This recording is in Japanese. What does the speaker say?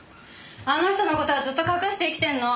あの人の事はずっと隠して生きてるの。